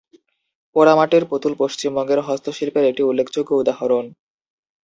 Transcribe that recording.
পোড়ামাটির পুতুল পশ্চিমবঙ্গের হস্তশিল্পের একটি উল্লেখযোগ্য উদাহরণ।